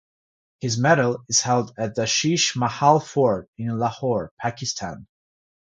His medal is held at the Sheesh Mahal fort in Lahore, Pakistan.